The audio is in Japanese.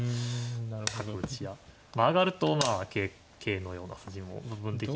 上がるとまあ桂のような筋も部分的に。